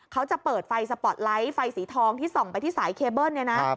เขาจะเปิดไฟสปอร์ตไลท์ไฟสีทองที่ส่องไปที่สายเคเบิ้ลเนี่ยนะ